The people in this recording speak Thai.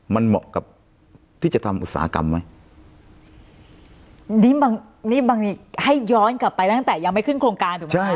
มันเหมาะกับที่จะทำอุตสาหกรรมไหมนี่บางนี่บางทีให้ย้อนกลับไปตั้งแต่ยังไม่ขึ้นโครงการถูกไหม